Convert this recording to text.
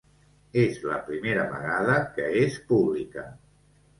És la primera vegada que es publica.